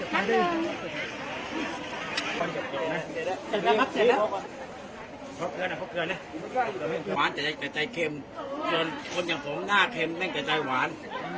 มันแปลกเข็มจนคนอย่างผมหน้าเข็มแม่นก็จะได้หวาน